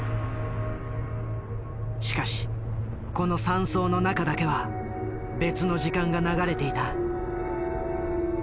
しかしこの山荘の中だけは別の時間が流れていた。